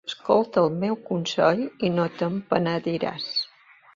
Escolta el meu consell i no te'n penediràs.